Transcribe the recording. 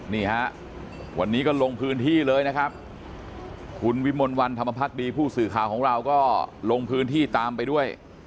นี่ฮะวันนี้ก็ลงพื้นที่เลยนะครับคุณวิมลวันธรรมพักดีผู้สื่อข่าวของเราก็ลงพื้นที่ตามไปด้วย